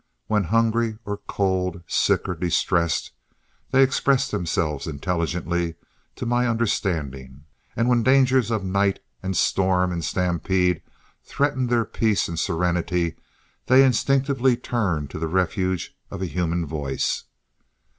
When hungry or cold, sick or distressed, they express themselves intelligently to my understanding, and when dangers of night and storm and stampede threaten their peace and serenity, they instinctively turn to the refuge of a human voice.